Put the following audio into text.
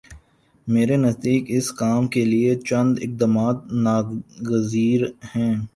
میرے نزدیک اس کام کے لیے چند اقدامات ناگزیر ہیں۔